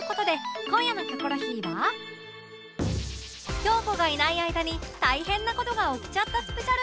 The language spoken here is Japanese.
京子がいない間に大変な事が起きちゃったスペシャル